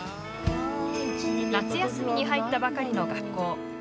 夏休みに入ったばかりの学校。